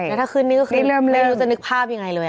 แล้วถ้าขึ้นนี่ก็คือไม่รู้จะนึกภาพยังไงเลย